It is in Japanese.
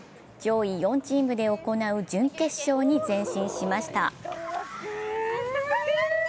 上位４チームで行う準決勝に前進しました。